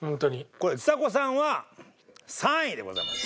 これちさ子さんは３位でございます。